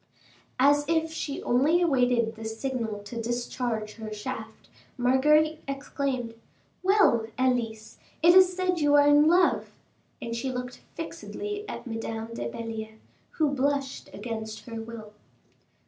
As if she only awaited this signal to discharge her shaft, Marguerite exclaimed, "Well, Elise, it is said you are in love." And she looked fixedly at Madame de Belliere, who blushed against her will.